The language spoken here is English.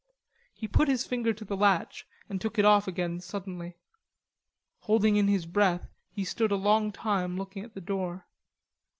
He put his finger to the latch and took it off again suddenly. Holding in his breath he stood a long time looking at the door.